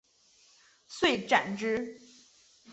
遂斩之。